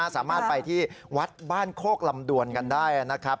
สามารถไปที่วัดบ้านโคกลำดวนกันได้นะครับ